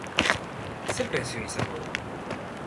Ze prezio izango du?